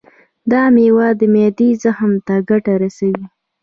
دا میوه د معدې زخم ته ګټه رسوي.